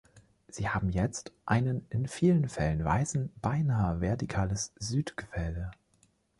Sie haben jetzt einen in vielen Fällen weißen, beinahe vertikales Südgefälle.